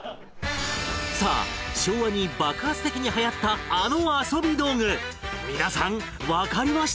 さあ、昭和に爆発的にはやったあの遊び道具皆さん、わかりましたか？